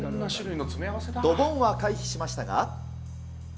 ドボンは回避しましたが。